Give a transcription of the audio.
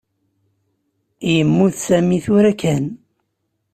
Yemmut Sami tura kan.